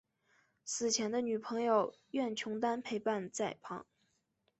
死前的女朋友苑琼丹陪伴在旁。